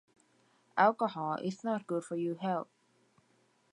Alcohol is not good for your health.